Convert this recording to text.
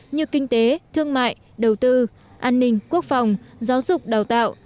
như kinh tế thương mại đầu tư an ninh quốc phòng giáo dục đào tạo